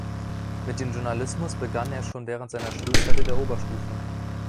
Mit dem Journalismus begann er schon während seiner Schulzeit in der Oberstufe.